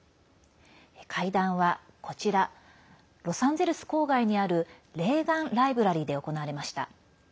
会談は、こちらロサンゼルス郊外にあるレーガン・ライブラリーで行われました。